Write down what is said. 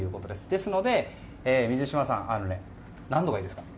ですので、水嶋さん何度がいいですか？